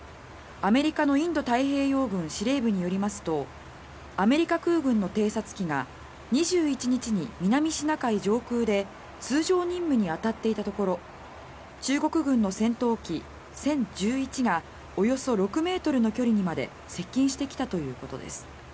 アメリカのインド太平洋軍司令部によりますとアメリカ空軍の偵察機が２１日に南シナ海上空で通常任務に当たっていたところ中国軍の戦闘機、殲１１がおよそ６ｍの距離にまで接近してきたということです。